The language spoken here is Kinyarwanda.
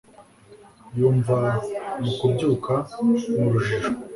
Yumva mu kubyuka mu rujijo